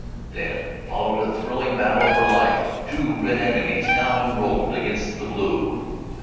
Then followed a thrilling battle for life two red enemies now enrolled against the blue.